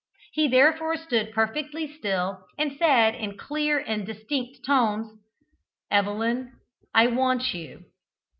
He therefore stood perfectly still and said in clear and distinct tones, "Evelyn, I want you."